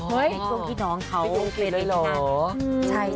ในกลุ่มที่น้องเขามีไปได้สูง